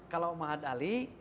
kalau ma'had ali